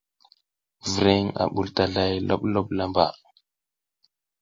Vreŋ a ɓul tazlay loɓloɓ lamba.